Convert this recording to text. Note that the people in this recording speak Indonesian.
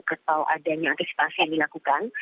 atau adanya antisipasi yang dilakukan